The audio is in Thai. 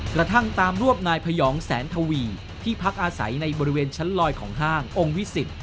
กระทั่งตามรวบนายพยองแสนทวีที่พักอาศัยในบริเวณชั้นลอยของห้างองค์วิสิต